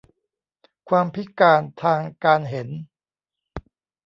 ความพิการทางการเห็น